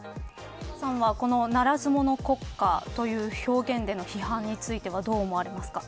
このならず者国家という表現での批判についてはどう思われますか。